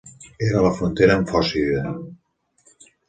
Era a la frontera amb Fòcida.